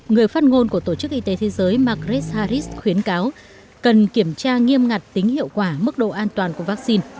người phát ngôn của tổ chức y tế thế giới margres harris khuyến cáo cần kiểm tra nghiêm ngặt tính hiệu quả mức độ an toàn của vaccine